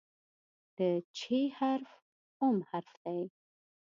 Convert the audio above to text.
د "چ" حرف اووم حرف دی.